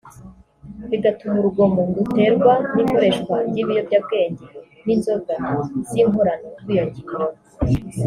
bigatuma urugomo ruterwa n’ikoreshwa ry’ibiyobyabwenge n’inzoga z’inkorano rwiyongera